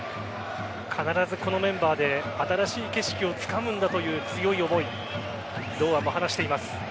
必ずこのメンバーで新しい景色をつかむんだという強い思い堂安も話しています。